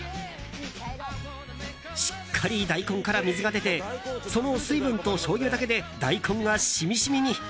しっかり大根から水が出てその水分としょうゆだけで大根が染み染みに。